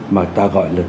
mà ta gọi là